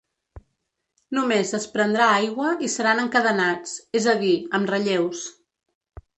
Només es prendrà aigua i seran encadenats; és a dir, amb relleus.